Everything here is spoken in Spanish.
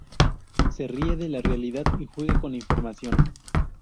Se ríe de la realidad y juega con la información.